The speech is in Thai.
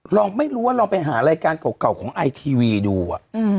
ลองไม่รู้ว่าเราไปหารายการเก่าเก่าของไอทีวีดูอ่ะอืม